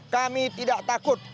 kami tidak takut